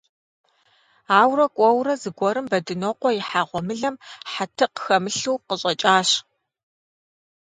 Ауэрэ кӀуэурэ, зэгуэрым Бэдынокъуэ ихьа гъуэмылэм хьэтыкъ хэмылъу къыщӀэкӀащ.